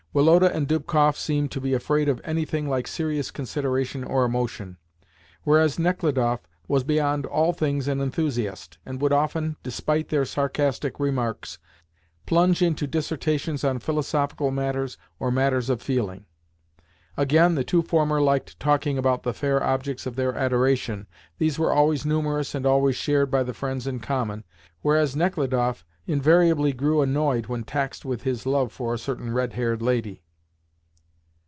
Woloda and Dubkoff seemed to be afraid of anything like serious consideration or emotion, whereas Nechludoff was beyond all things an enthusiast, and would often, despite their sarcastic remarks, plunge into dissertations on philosophical matters or matters of feeling. Again, the two former liked talking about the fair objects of their adoration (these were always numerous, and always shared by the friends in common), whereas Nechludoff invariably grew annoyed when taxed with his love for a certain red haired lady.